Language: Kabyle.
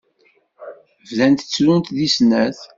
Bdant ttrunt deg snat.